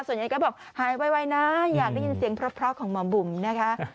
ส่วนใหญ่ก็บอกหายไวนะอยากได้ยินเสียงเพราะของหมอบุ๋มนะคะ